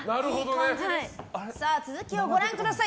続きをご覧ください。